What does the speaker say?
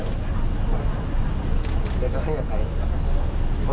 เรารับค่ะ